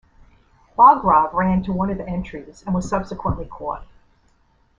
Bogrov ran to one of the entries and was subsequently caught.